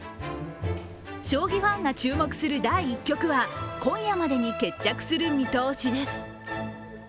将棋ファンが注目する第１局は、今夜までに決着する見通しです。